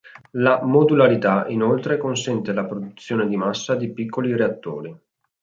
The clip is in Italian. La modularità, inoltre, consente la produzione di massa di piccoli reattori.